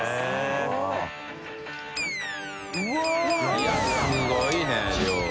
いやすごいね量が。